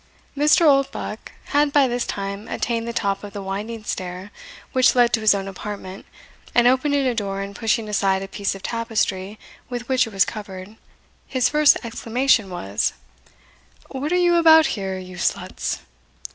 [Illustration: The Antiquary and Lovel the Sanctum] Mr. Oldbuck had by this time attained the top of the winding stair which led to his own apartment, and opening a door, and pushing aside a piece of tapestry with which it was covered, his first exclamation was, "What are you about here, you sluts?"